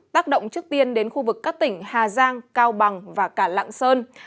tác động trước tiên đến khu vực các tỉnh hà giang cao bằng và cả lạng sơn